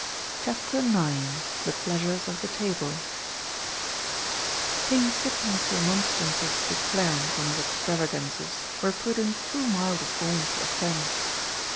CHAPTER IX THE PLEASURES OF THE TABLE King Sidney's remonstrances to Clarence on his extravagances were put in too mild a form to offend.